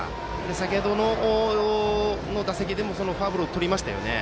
先程の打席でもフォアボールをとりましたよね。